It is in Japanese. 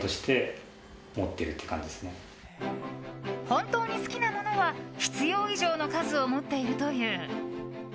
本当に好きなものは必要以上の数を持っているという。